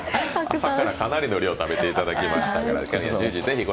さっきから、かなりの量食べていただきましたから。